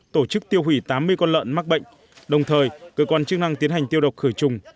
tổ chức tiêu hủy tám mươi con lợn mắc bệnh đồng thời cơ quan chức năng tiến hành tiêu độc khởi trùng